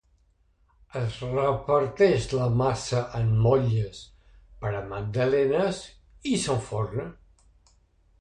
Es reparteix la massa en motlles per a magdalenes i s'enforna.